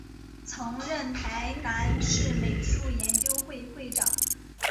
曾任台南市美术研究会会长。